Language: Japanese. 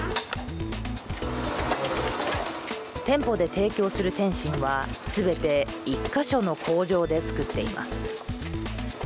店舗で提供する点心はすべて、１か所の工場でつくっています。